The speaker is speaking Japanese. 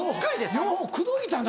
よう口説いたな。